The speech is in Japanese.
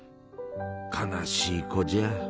悲しい子じゃ。